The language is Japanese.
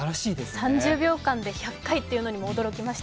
３０秒間で１００回っていうのにも驚きました。